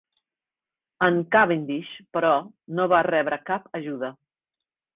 En Cavendish, però, no va rebre cap ajuda.